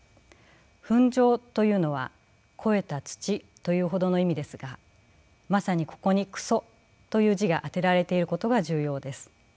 糞壌というのは肥えた土というほどの意味ですがまさにここに糞という字があてられていることが重要です。